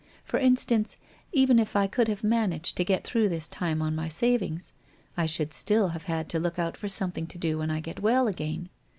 For instance, even if I could have managed to get through this time on my savings, I should still have had to look out for something to do when I get well again.